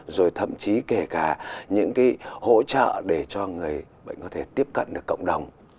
rồi thậm chí kể cả những cái hỗ trợ để cho người bệnh có thể tiếp cận được cộng đồng